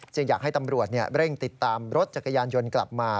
อยากให้ตำรวจเร่งติดตามรถจักรยานยนต์กลับมา